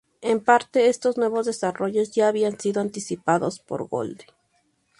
En parte, estos nuevos desarrollos ya habían sido anticipados por Gould.